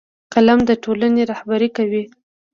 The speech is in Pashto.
قلم د ټولنې رهبري کوي